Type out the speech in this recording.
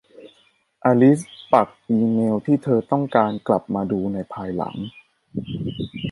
อลิซปักอีเมล์ที่เธอต้องการกลับมาดูในภายหลัง